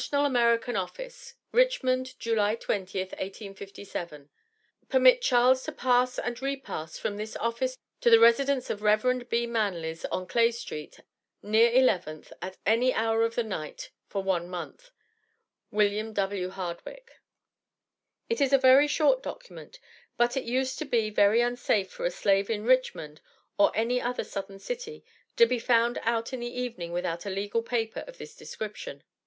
AMERICAN OFFICE, Richmond, July 20th, 1857. Permit Charles to pass and repass from this office to the residence of Rev B. Manly's on Clay St., near 11th, at any hour of the night for one month. WM. W. HARDWICK." It is a very short document, but it used to be very unsafe for a slave in Richmond, or any other Southern city, to be found out in the evening without a legal paper of this description.